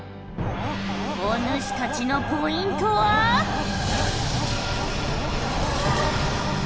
お主たちのポイントは。え！？